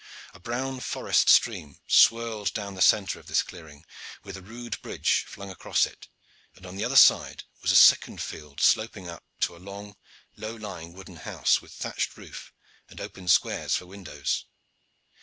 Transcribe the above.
A brown forest stream swirled down the centre of this clearing, with a rude bridge flung across it, and on the other side was a second field sloping up to a long, low lying wooden house, with thatched roof and open squares for windows.